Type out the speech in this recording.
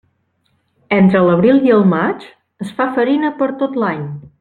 Entre l'abril i el maig es fa farina per tot l'any.